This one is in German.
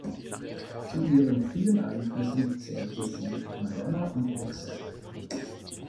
Zu ihren frühen Einflüssen zählte sie Madonna und Black Sabbath.